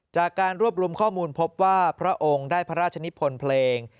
จากการรวบรวมข้อมูลพบว่าพระองค์ได้พระราชนิพลเพลง